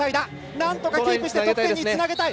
なんとかキープして得点につなげたい。